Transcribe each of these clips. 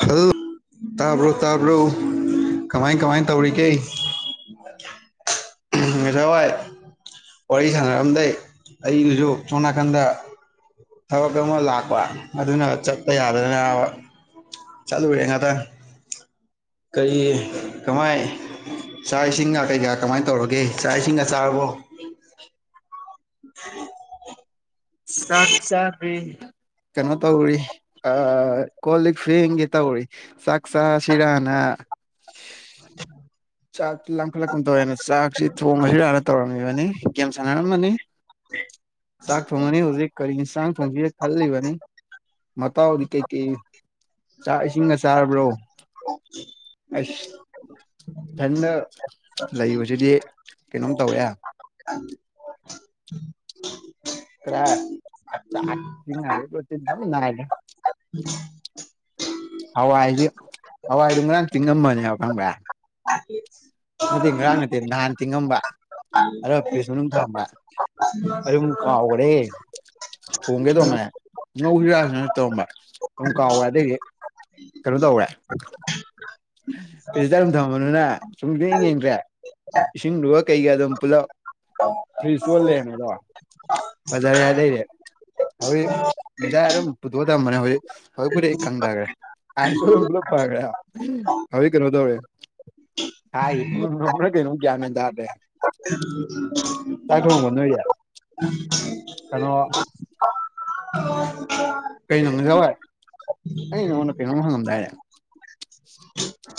Hello ꯇꯥꯕ꯭ꯔꯣ ꯇꯥꯕ꯭ꯔꯣ꯫ ꯀꯃꯥꯏ ꯀꯃꯥꯏ ꯇꯧꯔꯤꯒꯦ꯫ ꯎꯝ ꯉꯁꯥꯏ ꯋꯥꯏ꯫ ꯋꯥꯔꯤ ꯁꯥꯟꯅꯔꯛꯗꯥꯏ ꯑꯩꯗꯨꯁꯨ ꯁꯣꯝ ꯅꯥꯀꯟꯗ꯫ ꯊꯕꯛ ꯑꯃ ꯂꯥꯛꯄ ꯑꯗꯨꯅ ꯆꯠꯇꯄ ꯌꯥꯗꯗꯅ ꯆꯠꯂꯨꯔꯦ ꯉꯥꯛꯇ ꯀꯔꯤ ꯀꯃꯥꯏ ꯆꯥꯛ ꯏꯁꯤꯡꯒ ꯀꯩꯀꯥ ꯀꯃꯥꯏꯅ ꯇꯧꯔꯒꯦ ꯆꯥꯛ ꯏꯁꯤꯡꯒ ꯆꯥꯔꯕꯣ ꯎ ꯁꯥꯁꯥꯕꯤ [unintelligible] ꯀꯩꯅꯣ ꯇꯧꯔꯤ ꯀꯣꯜ ꯂꯤꯛ ꯐꯤꯡꯒꯤ ꯇꯧꯔꯤ ꯆꯥꯛ ꯆꯥ ꯁꯤꯔꯥꯅ [unintelligible] ꯆꯥꯛꯁꯤ ꯂꯥꯡꯈꯠꯂꯛꯀꯨꯝ ꯇꯧꯋꯦꯅ ꯆꯥꯛꯁꯤ ꯊꯣꯡꯉꯁꯤꯔꯒ ꯇꯧꯔꯝꯃꯤꯕꯅꯤ ꯒꯦꯝ ꯁꯥꯟꯅꯔꯝꯃꯅꯤ ꯁꯥꯀ ꯊꯣꯡꯅꯅꯤ ꯍꯧꯖꯤꯛ ꯀꯔꯤ ꯨ ꯌꯦ ꯈꯜꯂꯤꯕꯅꯤ ꯃꯇꯥꯑꯣꯅꯤ ꯀꯩ ꯀꯩ ꯥꯛ ꯏꯁꯤꯡꯒ ꯆꯥꯔꯕ꯭ꯔꯣ ꯑꯁ ꯏꯊꯟꯗ ꯂꯩꯕꯁꯤꯗꯤ ꯀꯩꯅꯣꯝ ꯇꯧꯋꯦ ꯀ ꯆꯔꯤ ꯅꯗ ꯍꯋꯥꯏꯁꯦ ꯍꯋꯥꯏꯗꯨꯣ ꯉꯔꯥꯡ ꯇꯤꯡꯉꯝꯕꯅꯦꯕ ꯈꯪꯕꯏ ꯅꯠꯇꯦ ꯉꯔꯥꯡ ꯅꯠꯇꯦ ꯅꯍꯥꯟ ꯇꯤꯡꯉꯝꯕ ꯑꯗꯨꯒ ꯐ꯭ꯔꯤꯖ ꯃꯅꯨꯡ ꯊꯝꯕ ꯑꯔꯃꯨ ꯀꯥ ꯑꯣꯈꯔꯦ ꯍꯣꯡꯒꯦ ꯇꯧꯃꯦ ꯅꯧꯁꯤꯔꯥꯁꯤ ꯅ ꯇꯧꯔꯝꯕ ꯑꯗꯨꯝ ꯀꯥꯎꯔꯦ ꯑꯗꯩꯗꯤ ꯀꯩꯅꯣ ꯇꯧꯔꯦ ꯄꯖꯤ ꯇꯔꯨꯝ ꯊꯝꯃꯅꯨꯅꯦ ꯁꯨꯝꯗꯤ ꯌꯦꯡꯗ꯭ꯔꯦ ꯏꯁꯤꯡꯗꯨꯒ ꯀꯩꯀ ꯑꯗꯨꯝ ꯄꯨꯜꯂꯞ ꯐ꯭ꯔꯤ ꯆꯣꯜꯂꯦꯅꯦꯗꯣ ꯍꯖꯥꯔ ꯌꯥꯗꯔꯦ ꯍꯧꯖꯤꯣꯏ ꯃꯁꯥꯏ ꯑꯗꯨꯝ ꯄꯨꯊꯣꯛꯑ ꯊꯝꯕꯅꯦ ꯍꯧꯖꯤ ꯍꯧꯖꯤꯣꯏꯕꯨꯗꯤ ꯀꯪꯗꯈ꯭ꯔꯦ ꯑꯥꯏꯁꯨ ꯄꯨꯂ ꯄꯒ ꯍꯧ ꯀꯩꯅꯗꯧꯦ ꯀ ꯇꯥꯏ ꯊꯅ ꯀꯩꯅꯣ ꯀꯩꯅꯣꯖꯋꯥꯏ ꯑꯩ ꯅꯉꯣꯟꯗ ꯀꯩꯅꯣꯝ ꯍꯪꯉꯝꯗꯥꯏꯔꯦ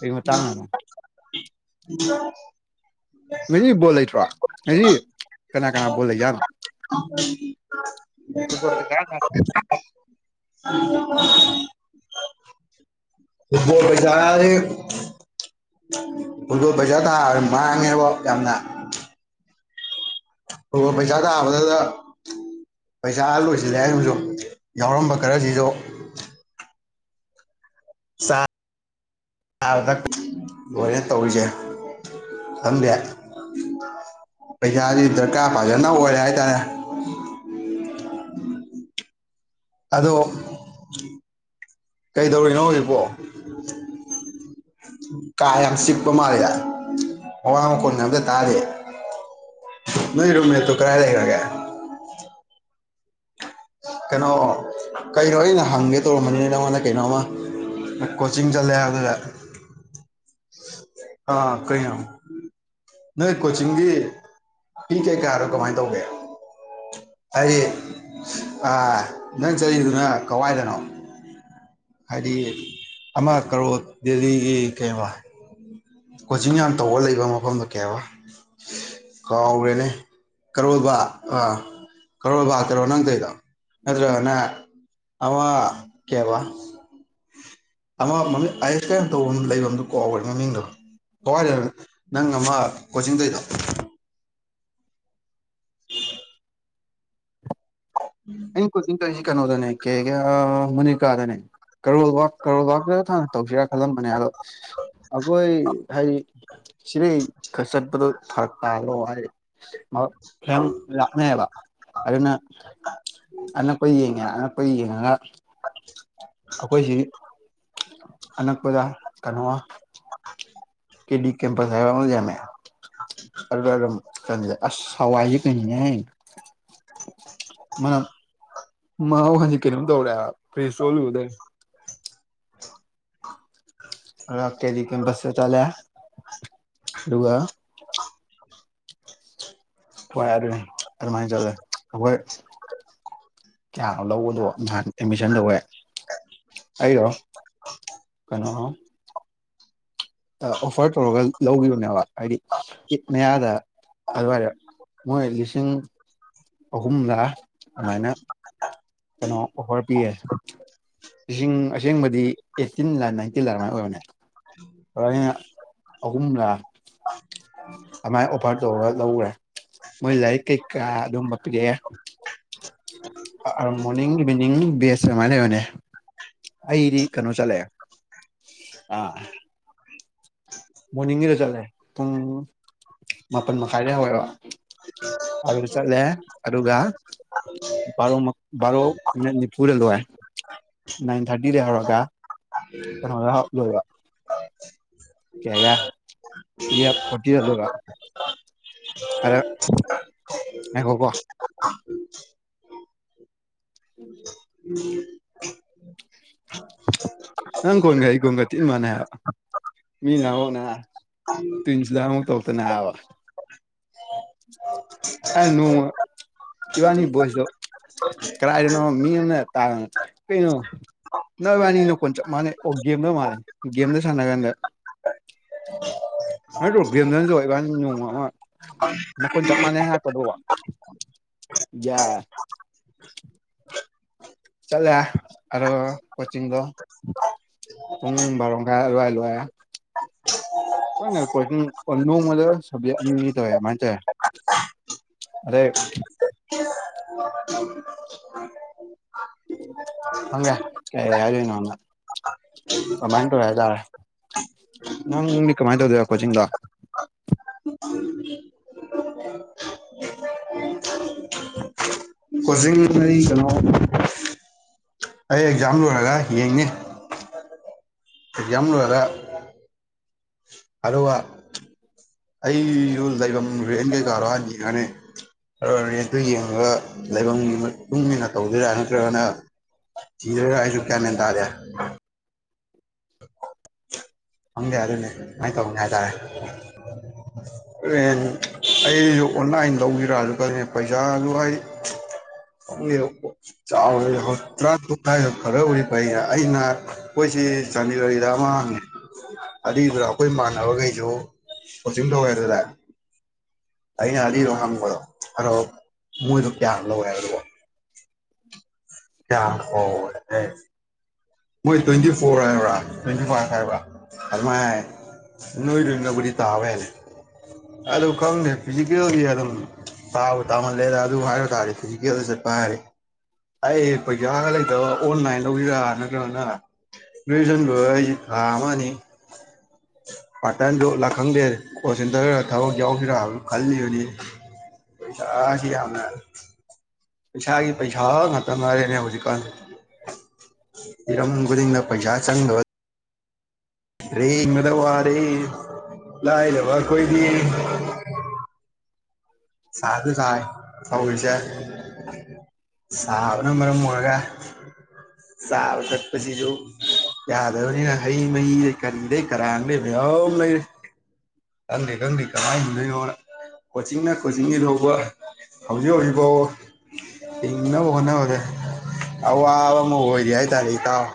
ꯑꯩꯃ ꯇꯥꯡꯥꯡꯅꯅ ꯃꯤ ꯣꯂ ꯇ꯭ꯔꯥ ꯉ ꯀꯅꯥ ꯀꯅꯥ ꯣꯂ ꯌꯥꯅ ꯇꯗ ꯀꯌꯥ ꯖꯥꯔꯦ ꯕꯖꯥ ꯊ ꯃꯥꯡꯉꯦꯕ ꯌꯥꯝꯅ ꯑꯣ ꯄꯩꯁꯥꯗꯕꯗꯗ ꯄꯩꯁꯥ ꯂꯣꯏꯁꯤꯜꯂꯦ ꯍꯥꯏꯕꯁꯨ ꯌꯥꯎꯔꯝꯕ ꯈꯔꯁꯤꯁꯨ ꯗ ꯂꯣꯏꯅ ꯇꯧꯔꯤꯁꯦ ꯊꯝꯕ ꯄꯩꯁꯥꯁꯤ ꯗꯔꯀꯥꯔ ꯐꯖꯅ ꯑꯣꯏꯔꯦ ꯍꯥꯏꯇꯥꯔꯦ ꯑꯗꯣ ꯀꯩꯗꯧꯔꯤꯅꯣ ꯍꯧꯖꯤꯕꯣ ꯀꯥ ꯌꯥꯝ ꯆꯤꯛꯄ ꯃꯥꯜꯂꯦ ꯑꯋꯥꯡ ꯃꯈꯨꯟ ꯑꯝꯇ ꯇꯥꯔꯤ ꯅ ꯔꯣꯃꯦ ꯇꯨ ꯀ ꯂꯔꯒꯦ ꯀꯩꯅꯣ ꯀꯩꯅꯣ ꯑꯩꯅ ꯍꯪꯒꯦ ꯇꯧꯔꯝꯕꯅꯤꯅꯦ ꯅꯪꯉꯣꯟꯗ ꯀꯩꯅꯣꯝꯃ ꯀꯣꯆꯤꯡ ꯆꯠꯂꯦ ꯑꯗꯨꯗ ꯑꯥ ꯀꯔꯤ ꯅꯣꯏ ꯀꯣꯆꯤꯡꯒꯤ ꯐꯤ ꯀꯩ ꯀꯌꯥꯔꯣ ꯀꯃꯥꯏꯅ ꯇꯧꯒꯦ ꯑꯩ ꯅꯪ ꯆꯠꯂꯤꯗꯨꯅ ꯀꯋꯥꯏꯗꯅꯣ ꯍꯥꯏꯗꯤ ꯑꯃ ꯀꯔꯣ ꯗꯦꯜꯂꯤꯒꯤ ꯀꯣ ꯀꯣꯆꯤꯡ ꯌꯥꯝ ꯇꯧꯔ ꯂꯩꯕ ꯃꯐꯝꯗꯨꯣ ꯀꯌꯥꯕ ꯀꯥꯎꯔꯦꯅꯦ ꯀꯔꯣ ꯕ ꯀꯔꯣ ꯕ ꯀꯔꯣ ꯅꯪ ꯀꯩꯗꯣ ꯑꯗꯨ꯭ꯔꯣ ꯅ ꯑ ꯀꯦꯕ ꯑꯃ ꯃꯃꯤ ꯑꯥꯏꯁ ꯀꯩꯅ ꯇꯧꯕꯐꯝ ꯂꯩꯐꯝꯗꯨꯣ ꯀꯥꯎꯈ꯭ꯔꯦ ꯃꯃꯤꯡꯗꯣ ꯀꯋꯥꯏꯗꯅꯣ ꯅꯪ ꯑꯃ ꯀꯣꯆꯤꯡꯗꯗ ꯑꯩ ꯀꯣꯤꯡ ꯁꯤ ꯀꯩꯅꯣꯗꯅꯦ ꯀꯩ ꯀꯦ ꯃꯨꯅꯤꯀꯥꯗꯅꯦ ꯀꯣꯜ ꯀꯔꯜ ꯊ ꯇꯧꯁꯤꯔꯥ ꯈꯜꯂꯝꯕꯅꯦ ꯑꯗꯣ ꯑꯩꯈꯣꯏ ꯍꯥꯏꯗꯤ ꯁꯤꯗꯩ ꯆꯠꯄꯗꯣ ꯐꯔꯛꯇꯗꯔꯗ ꯑꯗꯨꯅ ꯑꯅꯛꯄ ꯌꯦꯡꯉꯦ ꯑꯅꯛꯄ ꯌꯦꯡꯉꯒ ꯑꯩꯈꯣꯏꯁꯤ ꯑꯅꯛꯄꯖꯥ ꯀꯟꯋꯥ ꯀꯦꯗꯤ ꯀꯄꯁ ꯍꯥꯏ ꯑꯃꯃꯦ ꯑꯖ ꯑꯁ ꯁꯋꯥꯏ ꯀꯩꯅ ꯍꯥꯏ ꯃꯥꯅ ꯃꯥꯕꯨ ꯍꯧꯖꯤ ꯀꯩꯅꯝ ꯇꯧꯔ ꯐꯦꯁꯣꯂ ꯑꯣꯗ ꯑ ꯀꯗꯤ ꯀꯁꯦ ꯆꯂ ꯂꯒ [unintelligible] ꯍ ꯌꯥ ꯑꯗꯨ ꯑꯗꯨꯃꯥꯏꯅ ꯆꯠꯂꯦ ꯍꯣꯏ ꯀꯌꯥꯅꯣ ꯂꯧꯕꯗꯣ ꯅꯍꯥꯟ ꯑꯦꯠꯃꯤꯁꯟ ꯇꯧꯋꯦ ꯑꯩꯔꯣ ꯀꯩꯅꯣ ꯑꯣꯐꯔ ꯇꯧꯔꯒ ꯂꯧꯈꯤꯕꯅꯦꯕ ꯍꯥꯏꯗꯤ ꯏꯠ ꯃꯌꯥꯗ ꯑꯗꯨꯋꯥꯏꯗ ꯃꯣꯏ ꯂꯤꯁꯤꯡ ꯑꯍꯨꯝꯂꯥ ꯑꯗꯨꯃꯥꯏꯅ ꯀꯩꯅꯣ ꯑꯣꯐꯔ ꯄꯤꯌꯦ ꯂꯤꯁꯤꯡ ꯑꯁꯦꯡꯕꯗꯤ ꯑꯩꯠꯇꯤꯟ ꯂ ꯅꯥꯏꯟꯇꯤꯟ ꯂꯥꯏ ꯑꯗꯨꯃꯥꯏꯅ ꯑꯣꯏꯕꯅꯦ ꯑꯍꯨꯝꯂ ꯑꯗꯨꯥꯏ ꯑꯣꯐꯔ ꯇꯧꯔ ꯂꯧꯈꯔꯦ ꯃꯣꯏ ꯂꯏ ꯀꯩ ꯀ ꯑꯗꯨ ꯑꯗꯨꯝꯄꯒ morning evening B S I ꯂꯩ ꯃꯅꯦ ꯑꯩꯗꯤ ꯀꯩꯅꯣ ꯆꯠꯂꯦ ꯑꯥ ꯃꯣꯔꯅꯤꯡꯒꯤꯗ ꯆꯠꯂꯦ ꯄꯨꯡ ꯃꯥꯄꯜ ꯃꯈꯥꯏꯗ ꯍꯧꯋꯦꯕ ꯑ ꯆꯂꯦ ꯑꯗꯨꯔꯒ ꯥꯔꯣ ꯥꯔꯣ ꯅꯤꯄꯨꯔꯣ ꯍꯥꯏ ꯅꯥꯏꯟ ꯊꯥꯔꯇꯤꯗꯒꯤꯩ ꯍꯧꯔꯒ ꯀꯩꯅꯣꯗ ꯂꯣꯏꯕ ꯀꯦꯒ ꯏ ꯄꯇꯤꯗ ꯂꯣꯏꯕꯥ ꯑꯗ ꯑꯦ ꯈꯣꯀꯣ ꯎꯝ [unintelligible] ꯅꯪ ꯀꯣꯟꯒ ꯀꯣꯟꯒꯇꯅ ꯃꯥꯅꯥ ꯃꯤ ꯅꯍꯣꯅ ꯇꯨ ꯏꯖꯗꯥꯨ ꯇꯧ ꯇꯅ ꯑꯋꯥ ꯑ ꯅꯣꯡꯃ ꯏꯕꯥꯅꯤ ꯚꯣꯏꯁꯇꯣ ꯀꯗꯥꯏꯗꯅꯣ ꯃꯤ ꯑꯃꯅ ꯇꯥꯕꯅꯣ ꯀꯩꯅꯣ ꯅꯣꯏ ꯋꯥꯅꯤ ꯅꯈꯣꯟ ꯆꯞ ꯃꯥꯟꯅꯩ ꯑꯣ ꯒꯦꯝꯗ ꯃꯥꯥꯟꯂꯅꯤ ꯒꯦꯝꯗ ꯁꯥꯟꯅ ꯀꯥꯟꯗ ꯑꯗꯨ ꯒꯦꯝꯗꯅꯁꯨ ꯏꯕꯥ ꯅꯣꯡꯃ ꯑꯃ ꯃꯈꯣꯟ ꯆꯞ ꯃꯥꯟꯅꯩ ꯍꯥꯏ ꯠꯇꯕ ꯌꯥ ꯆꯠꯂꯦ ꯑꯣ ꯀꯣꯆꯤꯡꯤꯡꯗ ꯄꯨꯡ ꯕꯥꯔꯣ ꯃꯈꯥꯏ ꯑꯗꯥꯏꯗꯥ ꯂꯣꯏꯔꯦ ꯅꯦ ꯀꯣꯆꯤꯡ ꯅꯣꯡꯃꯗ ꯁꯕꯖꯦꯛ ꯑꯅꯤꯅꯤ ꯇꯧꯋꯦ ꯃꯥ ꯇꯔꯦ ꯑꯗꯦ ꯍꯦ ꯀ ꯌꯥꯔꯅ ꯃꯥꯏꯟꯇꯣꯇꯥꯔꯦ ꯅꯪꯗꯤ ꯀꯃꯥꯏꯅ ꯇꯧꯗꯣꯏꯕ ꯀꯣꯆꯤꯡꯗ ꯍꯧꯖꯤꯡꯅ ꯀꯩꯅꯣ ꯑꯩ ꯑꯦꯛꯖꯥꯝ ꯂꯣꯏꯔꯒ ꯌꯦꯡꯅꯦ ꯑꯦꯛꯖꯥꯝꯜ ꯂꯩꯔ ꯍꯜꯂꯣ ꯑꯩꯔꯣꯜ ꯇꯥꯏꯕ ꯔꯨꯔꯦꯟ ꯀꯩꯀꯥꯔꯣ ꯍꯥꯟ ꯌꯦꯉꯅꯤ ꯔꯦꯠꯇꯨ ꯌꯦꯡꯉꯒ ꯂꯩꯐꯝꯒꯤ ꯃꯇꯨꯡ ꯏꯟꯅ ꯇꯧꯗꯣꯏꯔꯥ ꯅꯠꯇ꯭ꯔꯒꯅ ꯆꯤꯗꯔ ꯀꯥꯏ ꯆꯨ ꯀꯅꯗꯔꯦ ꯈꯪꯗꯦ ꯑꯗꯨꯅꯤ ꯀꯃꯥꯏꯅ ꯇꯧꯅꯤ ꯍꯥꯏꯇꯥꯔꯦꯦꯟ ꯑꯩꯁꯨ ꯑꯣꯟꯂꯥꯏꯟ ꯂꯧꯕꯤꯔ ꯑꯗꯨ ꯀ ꯄꯩꯁꯥꯗꯨ ꯍꯥꯏ [unintelligible] ꯈꯔꯕꯨꯗꯤ ꯐꯩ ꯑꯩꯅ ꯑꯩꯈꯣꯏꯁꯤ ꯆꯥꯟꯗꯤꯒꯔꯤꯗ ꯑꯃ ꯍꯪꯉꯦ ꯑꯗꯨꯏꯗꯨꯔ ꯑꯩꯈꯣꯏ ꯏ ꯃꯥꯟꯅꯕꯈꯩꯁꯨ ꯀꯣꯆꯤꯡ ꯇꯧꯋꯦ ꯑꯗꯨꯗ ꯑꯩꯅ ꯑꯅꯤꯔꯣ ꯍꯪꯕꯗꯣ ꯑꯗꯣ ꯃꯣꯏꯗꯣ ꯀꯌꯥ ꯂꯧꯔꯦ ꯍꯥꯏ [inaudible] ꯃꯣꯏ ꯇ꯭ꯋꯦꯟꯇꯤ ꯐꯣꯔ ꯍꯥꯏꯕ꯭ꯔꯥ ꯇ꯭ꯋꯦꯟꯇꯤ ꯐꯥꯏꯚ ꯍꯥꯏꯕ꯭ꯔꯥ ꯑꯗꯨꯃꯥꯏ ꯅꯣꯏꯗꯣꯏꯅꯕꯨꯗꯤ ꯇꯥꯕ ꯌꯥ ꯍꯥꯏꯔꯦ ꯑ ꯈꯪꯗꯦ ꯐꯤꯖꯤꯀꯦꯜꯂꯤ ꯑꯗꯨꯝ ꯇꯥꯕ ꯇꯥꯍꯜꯂꯦꯗ ꯑꯗꯨ ꯍꯥꯏꯕ ꯇꯥꯔꯦ ꯐꯤꯖꯤꯀꯦꯜꯗ ꯆꯠꯄ ꯍꯥꯏꯔꯦ ꯑꯩ ꯄꯩꯁꯥꯒ ꯂꯩꯇꯕ ꯑꯣꯟꯂꯥꯏꯟ ꯂꯧꯕꯤꯔꯛ ꯅꯠꯇ꯭ꯔꯣ ꯅꯅ ꯒꯔ꯭ꯖꯨꯌꯥꯁꯟ ꯂꯣꯌꯔꯥꯒꯥ ꯊꯥ ꯑꯃ ꯑꯅꯤ ꯄꯥꯇꯟꯗ ꯂꯈꯪꯗꯦꯔ ꯑꯣ ꯁꯤꯟꯗꯒꯔ ꯊꯧ ꯌꯥꯎ ꯐꯔꯣ ꯍꯥꯏ ꯈꯜꯑꯣꯅꯤ ꯄꯩꯁꯥꯁꯤ ꯌꯥꯝꯅ ꯄꯩꯁꯥꯒꯤ ꯄꯩꯁꯥ ꯉꯇꯔꯦꯅꯦ ꯍꯧꯖꯤꯛꯀꯥꯟ ꯏꯤꯔꯝ ꯈꯨꯗꯤꯡꯗ ꯄꯩꯁꯥ ꯆꯪꯗ ꯔꯦ ꯏ ꯃꯗ ꯋꯥ ꯔꯦ ꯂꯥ ꯂꯔꯕ ꯀꯣꯏ ꯗꯤ ꯁꯥ ꯑꯗꯨ ꯆꯥꯏ ꯇꯧꯔꯤꯁꯦ ꯁꯕꯅꯝꯕꯔ ꯃꯂꯒ ꯆꯥꯕ ꯊꯛꯄꯁꯤꯁꯨ ꯌꯥꯗꯕꯅꯤꯅ ꯍꯩ ꯃꯍꯤꯁꯦ ꯀꯔꯤꯗꯦ ꯀꯔꯥꯡꯗꯩ ꯑꯗꯨꯝ ꯈꯪꯗꯦ ꯈꯪꯗꯦ ꯀꯃꯥꯏꯅ ꯍꯨꯝꯗꯣꯏꯅꯣ ꯀꯣꯆꯤꯡꯅ ꯀꯛꯆꯤꯡꯒꯤ ꯊꯥꯎꯧꯕ ꯍꯧꯖꯤꯛ ꯍꯧꯖꯤꯛ ꯐꯥꯎꯕ ꯊꯤꯡꯅꯕ ꯍꯣꯠꯅꯕꯗꯦ ꯑꯋꯥꯕ ꯑꯃ ꯑꯣꯏꯔꯤ ꯍꯥꯏꯇꯥꯔꯦ ꯏꯇꯥꯎ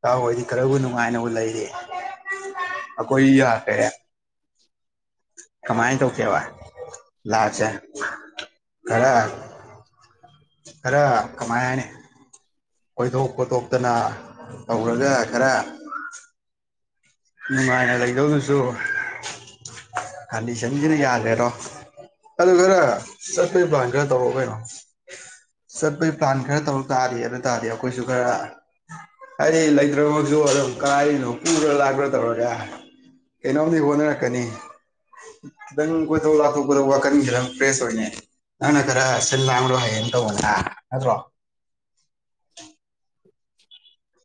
ꯆꯍ ꯍꯣꯏꯗꯤ ꯈꯔꯕꯨ ꯅꯨꯡꯉꯥꯏꯅꯕꯨ ꯂꯩꯔꯤ ꯑꯈꯣꯏ ꯌꯥ ꯀꯦ [inaudible] ꯀꯃꯥꯏ ꯇꯧ ꯀꯦꯋꯥ ꯂꯥꯆꯦ ꯈꯔ [inaudible] ꯈꯔ ꯀꯃꯅꯦ ꯈꯣꯏꯊꯣꯛ ꯈꯣꯠꯇꯣꯛꯇꯅ ꯇꯧꯔꯒ ꯈꯔ ꯅꯨꯡꯉꯥꯏꯅ ꯂꯩꯗꯧꯅꯁꯨ ꯈꯗꯤ ꯁꯦꯝꯖꯤꯅ ꯌꯥꯗꯦꯔꯣ ꯑꯗꯨ ꯈꯔ ꯆꯠꯄꯣꯏ ꯄ꯭ꯂꯥꯟ ꯈꯔ ꯇꯧꯔꯣ ꯀꯩꯅꯣ ꯆꯠꯄꯒꯤ ꯄ꯭ꯂꯥꯟ ꯈꯔ ꯇꯧꯔ ꯇꯥꯔ ꯑꯗꯨ ꯇꯥꯔꯗꯤ ꯑꯩꯈꯣꯏꯁꯨ ꯈꯔ ꯍꯥꯏꯔꯤ ꯂꯩꯇ꯭ꯔꯣꯁꯨꯔ ꯀꯔꯤꯅꯣ ꯀꯔꯣ ꯂ꯭ꯔ ꯇꯧꯔꯒ ꯀꯩꯅꯣꯝꯗꯤ ꯍꯣꯠꯅꯔꯛꯀꯅꯤ ꯈꯤꯇꯪ ꯀꯣꯏꯊꯣꯛ ꯂꯥꯊꯣꯛꯊꯣꯛ ꯋꯥꯀꯟ ꯈꯤꯇꯪ ꯐ꯭ꯔꯦꯁ ꯑꯣꯏꯅ ꯅꯪꯅ ꯈꯔ ꯁꯤꯟ ꯂꯥꯡꯂꯣ ꯍꯌꯦꯅ ꯇꯧꯕꯗ ꯅꯠꯇ꯭ꯔꯣ [inaudible]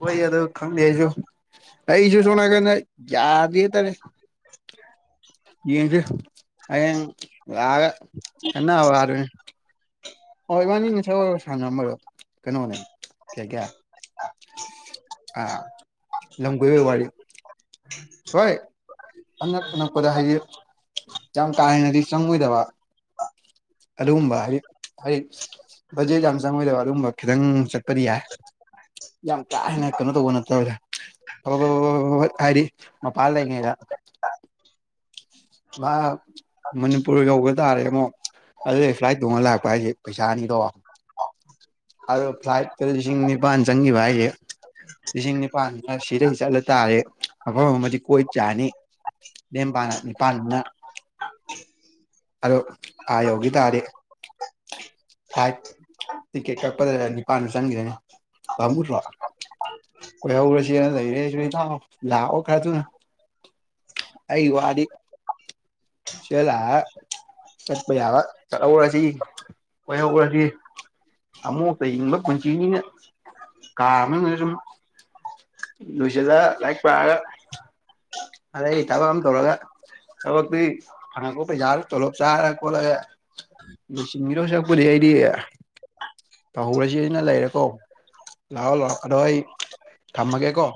ꯍꯣꯏ ꯌꯥꯗ ꯈꯪꯗꯦꯁꯨ ꯑꯩꯁꯨ ꯁꯨꯅꯒꯦ ꯌꯥ ꯇꯔꯦ ꯌꯦꯁꯨ ꯑ ꯂꯒ ꯀꯅꯥ ꯍ ꯑꯥꯔꯃꯤ ꯑꯣ ꯏꯕꯥꯅꯤ ꯅꯁ ꯑꯣꯏꯔꯣ ꯁꯥꯟꯅꯔꯝꯃꯣꯏꯔꯣ ꯀꯩꯅꯣꯅꯦ ꯀꯌꯥ ꯀꯌꯥ ꯑꯥ ꯂꯨ ꯋꯥ ꯍꯣꯏ ꯑꯅꯛ ꯑꯅꯛꯄꯗ ꯍꯥꯏꯗꯤ ꯌꯥꯝ ꯀꯥ ꯍꯦꯟꯅꯗꯤ ꯆꯪꯉꯣꯏꯗꯕ ꯑꯗꯨꯒꯨꯝꯕ ꯍꯥꯏꯗꯤ ꯍꯥꯏꯗꯤ ꯕꯖꯦꯠ ꯌꯥꯝ ꯆꯪꯉꯣꯏꯗꯕ ꯑꯗꯨꯒꯨꯝꯕ ꯈꯤꯇꯪ ꯆꯠꯄꯗꯤ ꯌꯥꯏ ꯌꯥꯝ ꯀꯥꯏ ꯀꯩꯅ ꯇꯧꯕ ꯅꯠꯇ ꯍꯥꯏꯔꯤ ꯃꯄꯥꯜꯗ [inaudible] ꯃꯥ ꯃꯅꯤꯄꯨꯔ ꯌꯧꯕ ꯇꯥꯔꯦ ꯑꯃꯨꯛ ꯑꯗꯨꯗ ꯐ꯭ꯂꯥꯏꯠ ꯇꯣꯡꯉ ꯂꯥꯛꯄ ꯍꯥꯏꯁꯦ ꯄꯩꯁꯥꯅꯤꯗꯣ ꯑꯗꯨ ꯐ꯭ꯂꯥꯏꯠ ꯀ ꯂꯤꯁꯤꯡꯅꯤ ꯄꯥꯅ ꯆꯪꯤꯚꯏꯦ ꯂꯤꯁꯤꯡ ꯅꯤꯄꯥꯟ ꯈ ꯁꯤꯗꯒꯤ ꯆꯠꯂ ꯇꯥꯔꯦ ꯑꯐꯝ ꯑꯃꯗꯤ ꯀꯣꯏ ꯆꯥꯅꯤ ꯗꯦꯝ ꯄꯅꯅꯤ ꯄꯅꯅ ꯑꯗꯣ ꯍꯥꯏ ꯌꯣꯒꯤ ꯇꯔꯦ ꯇꯤꯀꯦꯠ ꯀꯛꯄꯗ ꯅꯤꯄꯥꯟꯗ ꯆꯪꯈꯤꯗꯅꯦꯃꯨꯠꯇ꯭ꯔꯣ ꯀꯣꯏ ꯑꯔꯁꯤ ꯂꯔꯦ ꯂꯑꯣ ꯂꯥꯛꯑꯣ ꯈꯔ ꯇꯨ ꯑꯩ ꯋꯥꯗꯤ ꯁꯤꯂ ꯆꯠꯄ ꯌꯥꯕ ꯆꯠꯍꯧꯔꯁꯤ ꯑꯣꯏꯍꯧꯔꯁꯤ ꯑ ꯃꯣ ꯇ ꯏꯕ ꯄꯨꯟꯆꯅꯤꯅ ꯀꯥꯔꯃꯦ ꯂꯣꯏꯁꯤꯜꯂ ꯂꯥꯏꯔꯤꯛ ꯄꯥꯑꯒ ꯑꯗꯗꯒꯤ ꯊꯕꯛ ꯑꯃ ꯇꯧꯔꯒ ꯆ ꯐꯅꯥꯀꯣ ꯄ ꯌꯥꯔ ꯆꯂꯣ ꯆꯥꯔꯦ ꯀꯣꯂ ꯂꯨꯁꯤꯡꯕꯤꯔꯣ ꯁꯛꯄꯨꯗꯤ ꯑꯩꯗꯤ ꯇꯧꯍꯧꯔꯁꯤ ꯑꯩꯅ ꯂꯩꯔꯦꯀꯣ ꯂꯑꯣ ꯂꯥꯛꯑꯣ ꯑꯗꯣ ꯑꯩ ꯊꯝꯃꯒꯦ ꯀꯣ